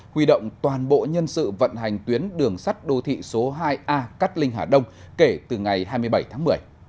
huy động toàn bộ nhân sự vận hành tuyến đường sắt đô thị số hai a cát linh hà đông kể từ ngày hai mươi bảy tháng một mươi